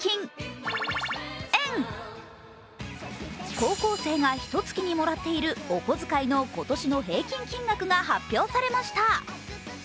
高校生がひとつきにもらっているお小遣いの今年の平均金額が発表されました。